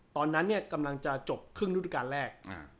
ตอนนั้นเนี่ยกำลังจะจบครึ่งฤดูการแรก